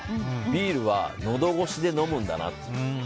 ビールはのど越しで飲むんだなって。